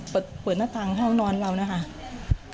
เปิดหน้าต่างห้องนอนเรานะคะ